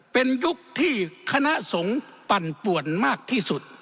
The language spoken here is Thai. เป็นยุคที่คณะสงฆ์ปั่นป่วนมากที่สุด